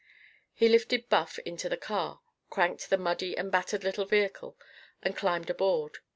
He lifted Buff into the car, cranked the muddy and battered little vehicle, and climbed aboard.